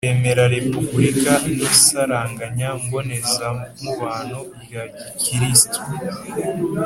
bemera repubulika n'isaranganya mbonezamubano rya gikristu